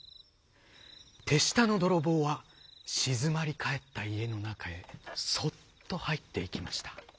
てしたのどろぼうはしずまりかえったいえのなかへそっとはいっていきました。